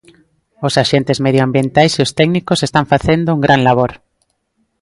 Os axentes medioambientais e os técnicos están facendo un gran labor.